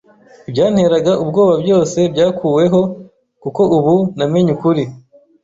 Ibyanteraga ubwoba byose byakuweho, kuko ubu namenye ukuri